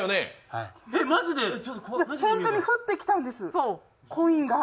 本当に降ってきたんです、コインが。